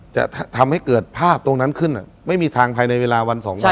จะทำให้เกิดภาพตรงนั้นขึ้นไม่มีทางภายในเวลาวันสองวัน